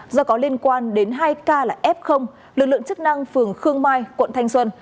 do có liên quan đến hai ca là f lực lượng chức năng phường khương mai quận thanh xuân